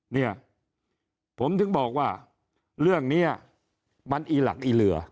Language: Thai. เนี่ยผมถึงบอกว่าเรื่องนี้มันอีหลักอีเหลือ